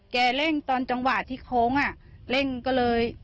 เร่งตอนจังหวะที่โค้งอ่ะเร่งก็เลย